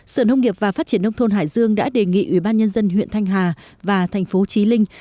sở nông nghiệp và phát triển nông thôn hải dương đã đề nghị ủy ban nhân dân huyện thanh hà và thành phố trí linh